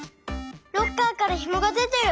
ロッカーからひもがでてる！